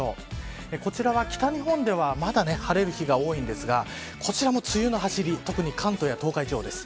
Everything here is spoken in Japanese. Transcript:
こちらは北日本ではまだ晴れる日が多いですがこちらも梅雨のはしり特に関東や東海地方です。